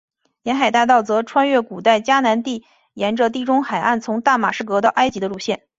沿海大道则穿越古代迦南地沿着地中海岸从大马士革到埃及的路线。